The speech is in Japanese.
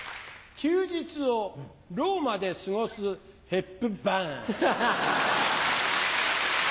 休日をローマで過ごすヘップバーン！